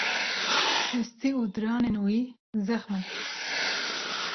Hestî û diranên wî zexm in.